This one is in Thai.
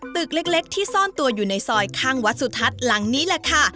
ตึกเล็กที่ซ่อนตัวอยู่ในซอยข้างวัดสุทัศน์หลังนี้แหละค่ะ